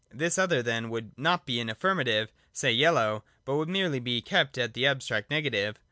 This other then would not be an affirmative, say, yellow, but would merely be kept at the abstract negative.